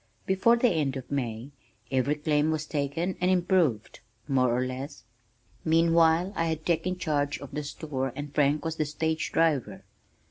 Before the end of May every claim was taken and "improved" more or less. Meanwhile I had taken charge of the store and Frank was the stage driver.